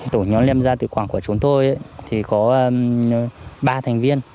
tổ nhóm lên gia tự quản của chúng tôi thì có ba thành viên